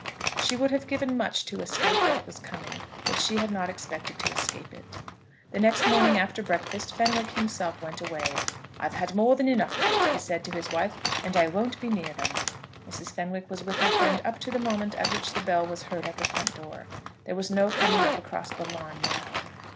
She would have given much to escape what was coming, but she had not expected to escape it. The next morning after breakfast Fenwick himself went away. "I've had more than enough of it," he said, to his wife, "and I won't be near them." Mrs. Fenwick was with her friend up to the moment at which the bell was heard at the front door. There was no coming up across the lawn now.